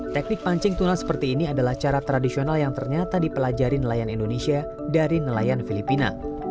teknik pancing tuna seperti ini adalah cara tradisional yang ternyata dipelajari nelayan indonesia dari nelayan filipina